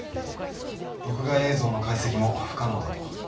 録画映像の解析も不可能だと。